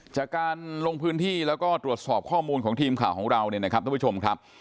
จากการลงพื้นที่แล้วก็ตรวจสอบข้อมูลของทีมข่าวของเราเนี่ยนะครับท่านผู้ชมครับ